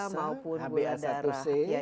maupun gula darah